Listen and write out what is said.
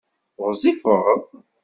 Ɣezzifeḍ?